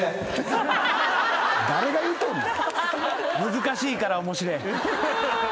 難しいから面白え。